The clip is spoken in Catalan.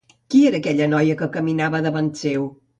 Qui era aquella noia que caminava davant seu?